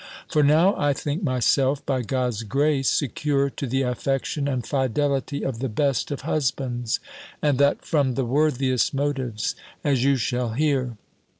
For now I think myself, by God's grace, secure to the affection and fidelity of the best of husbands, and that from the worthiest motives; as you shall hear.